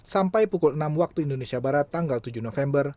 sampai pukul enam waktu indonesia barat tanggal tujuh november